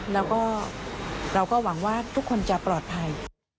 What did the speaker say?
แล้วก็เราก็หวังว่าทุกคนจะปลอดภัย